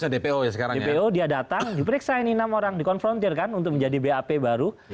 dpo dia datang diperiksa ini enam orang dikonfrontirkan untuk menjadi bap baru